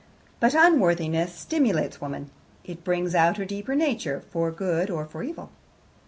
But unworthiness stimulates woman. It brings out her deeper nature, for good or for evil.